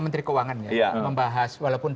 menteri keuangan ya membahas walaupun